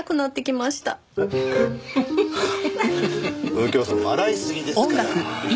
右京さん笑いすぎですから。